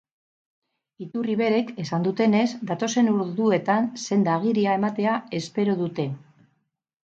Iturri berek esan dutenez, datozen orduetan senda-agiria ematea espero dute.